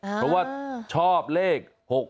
เพราะว่าชอบเลข๖๖